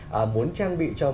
mình cũng cảm thấy rất là hào hức